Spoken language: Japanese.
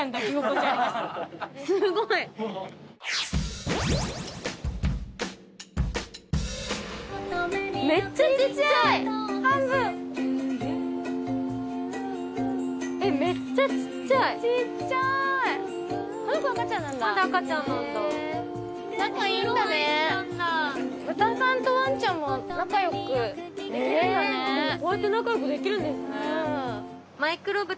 こうやって仲良くできるんですね。